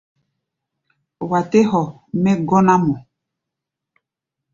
Wa tɛ́ hɔ mɛ́ gɔ́ná-mɔ.